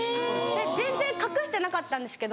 全然隠してなかったんですけど